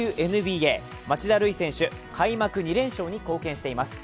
町田瑠唯選手、開幕２連勝に貢献しています。